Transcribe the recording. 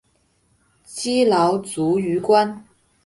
积劳卒于官。